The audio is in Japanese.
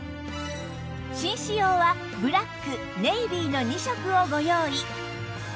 紳士用はブラックネイビーの２色をご用意